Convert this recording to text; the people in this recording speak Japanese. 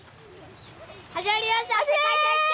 始まりました